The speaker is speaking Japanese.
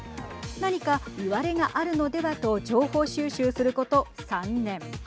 何かいわれがあるのではと情報収集すること３年。